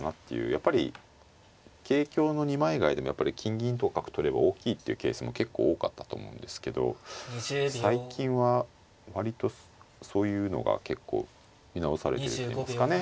やっぱり桂香の二枚替えでもやっぱり金銀と角取れば大きいっていうケースも結構多かったと思うんですけど最近は割とそういうのが結構見直されてるというんですかね。